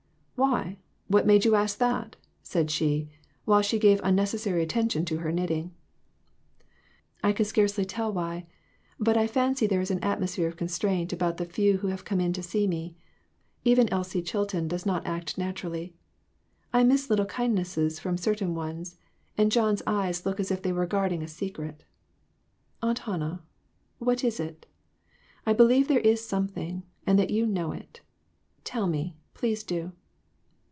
"Why? What made you ask that?" she said, while she gave unnecessary attention to her knitting. " I can scarcely tell why ; but I fancy there is an atmosphere of constraint about the few who have come in to see me. Even Elsie Chilton does not act naturally. I miss little kindnesses from certain ones, and John's eyes look as if they were guarding a secret. Aunt Hannah, what is it ? I believe there is something, and that you know it. Tell me, please do